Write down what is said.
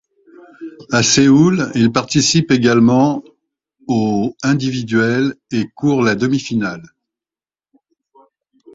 À Séoul, il participe également au individiuel et court la demi-finale.